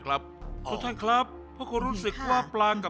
กำลังคลุกอยู่นะคะ